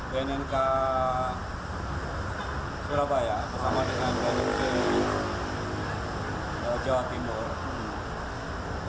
bnn ke surabaya bersama dengan bnn di jawa timur